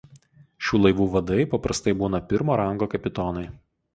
Šių laivų vadai paprastai būna pirmo rango kapitonai.